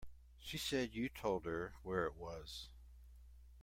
She said you told her where it was.